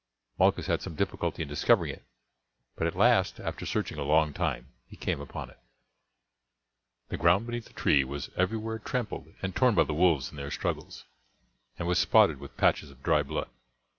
Malchus had some difficulty in discovering it; but at last, after searching a long time he came upon it. The ground beneath the tree was everywhere trampled and torn by the wolves in their struggles, and was spotted with patches of dry blood.